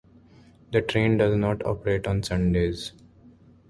The train does not operate on Sundays.